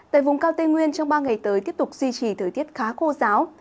tại vùng cao tây nguyên trong ba ngày tới tiếp tục duy trì thời tiết khá khô giáo